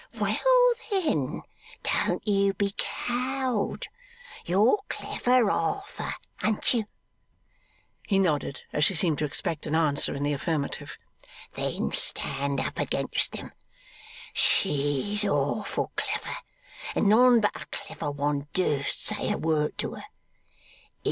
'Well then, don't you be cowed. You're clever, Arthur, an't you?' He nodded, as she seemed to expect an answer in the affirmative. 'Then stand up against them! She's awful clever, and none but a clever one durst say a word to her.